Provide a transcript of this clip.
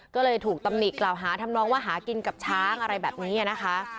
ก็เลยถูกตำหนิกล่าวหาทำนองว่าหากินกับช้างอะไรแบบนี้นะคะ